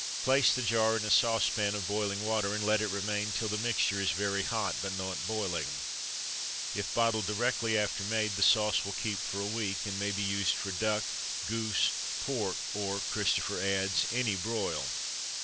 Place the jar in a saucepan of boiling water, and let it remain till the mixture is very hot, but not boiling. If bottled directly after made, the sauce will keep for a week, and may be used for duck, goose, pork, or (Christopher adds) "any broil."